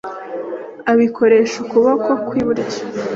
abikoresha ukuboko kw’iburyo,